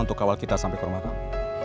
untuk kawal kita sampai ke rumah kami